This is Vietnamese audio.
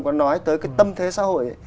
có nói tới cái tâm thế xã hội ấy